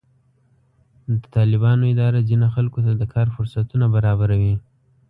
د طالبانو اداره ځینې خلکو ته د کار فرصتونه برابروي.